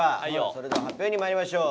それでは発表にまいりましょう。